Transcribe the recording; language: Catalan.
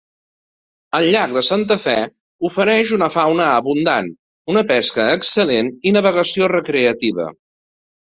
El llac de Santa Fe ofereix una fauna abundant, una pesca excel·lent i navegació recreativa.